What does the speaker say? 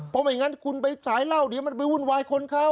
เพราะไม่งั้นคุณไปสายเหล้าเดี๋ยวมันไปวุ่นวายคนเขา